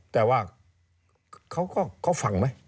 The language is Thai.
แต่ว่าเขาฟังไหม